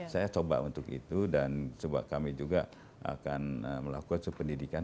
saya coba untuk itu dan coba kami juga akan melakukan supendidikan